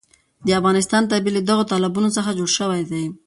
د افغانستان طبیعت له دغو تالابونو څخه جوړ شوی دی.